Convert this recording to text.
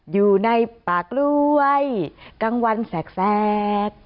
อยู่ในป่ากล้วยกลางวันแสก